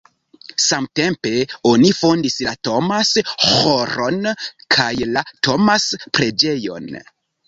Samtempe oni fondis la Thomas-ĥoron kaj la Thomas-preĝejon.